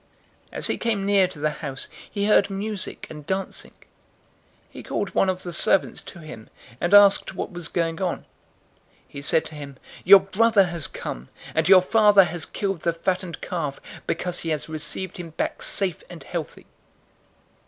As he came near to the house, he heard music and dancing. 015:026 He called one of the servants to him, and asked what was going on. 015:027 He said to him, 'Your brother has come, and your father has killed the fattened calf, because he has received him back safe and healthy.'